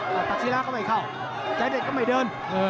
แต่ตัดศิลาก็ไม่เข้าใจเด็ดก็ไม่เดิน